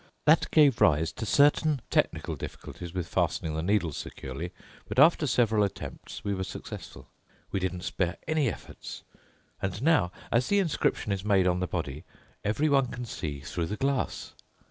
That gave rise to certain technical difficulties with fastening the needles securely, but after several attempts we were successful. We didn't spare any efforts. And now, as the inscription is made on the body, everyone can see through the glass.